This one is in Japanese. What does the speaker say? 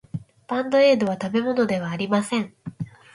バンドエードは食べ物ではありません。